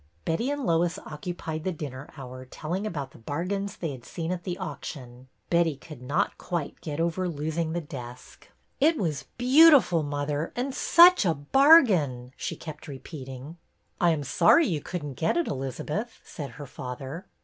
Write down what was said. Betty and Lois occupied the dinner hour tell ing about the bargains they had seen at the auc tion. Betty could not quite get over losing the desk. JO 146 BETTY BAIRD'S VENTURES It was beautiful, mother, and such a bar gain !" she kept repeating. I am sorry you could n't get it, Elizabeth," said her father.